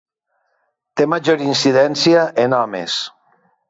Té major incidència en homes.